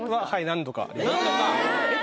「何度か」